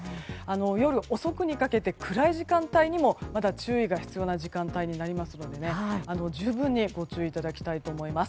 夜遅くにかけて暗い時間帯にもまだ注意が必要な時間帯になりますので十分にご注意いただきたいと思います。